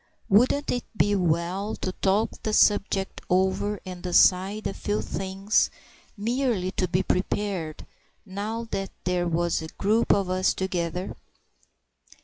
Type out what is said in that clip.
Wouldn't it be well to talk the subject over and decide a few things—merely to be prepared—now that there was a group of us together.